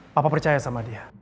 papa percaya sama dia